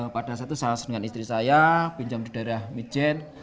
pada saat itu salah satu dengan istri saya pinjam di daerah midjen